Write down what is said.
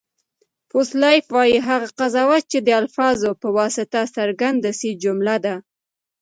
بوسلایف وایي، هغه قضاوت، چي د الفاظو په واسطه څرګند سي؛ جمله ده.